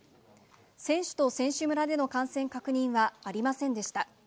選手と選手村での感染確認はありませんでした。